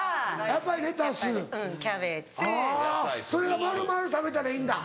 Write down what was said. それは丸々食べたらいいんだ？